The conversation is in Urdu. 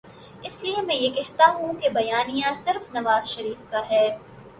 اس لیے میں یہ کہتا ہوں کہ بیانیہ صرف نوازشریف کا ہے۔